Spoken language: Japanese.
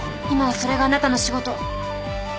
今はそれがあなたの仕事。